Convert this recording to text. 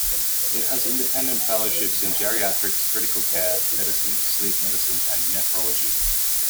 It has independent fellowships in geriatrics, critical care medicine, sleep medicine and nephrology.